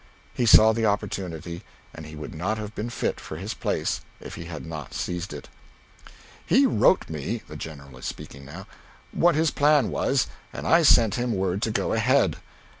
He saw the opportunity, and he would not have been fit for his place if he had not seized it. "He wrote me" (the General is speaking) "what his plan was, and I sent him word to go ahead.